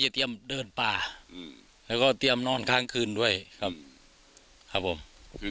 เตรียมเดินป่าอืมแล้วก็เตรียมนอนข้างคืนด้วยครับครับผม